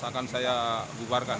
akan saya bubarkan